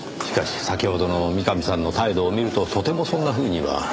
しかし先ほどの三上さんの態度を見るととてもそんなふうには。